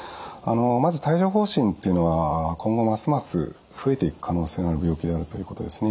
まず帯状ほう疹っていうのは今後ますます増えていく可能性がある病気であるということですね。